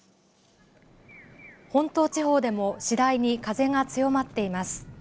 本島地方でも次第に風が強まっています。